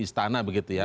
istana begitu ya